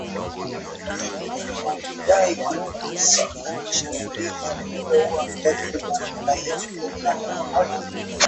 Walidai kuhusika na shambulizi lililoua takribani raia kumi na tano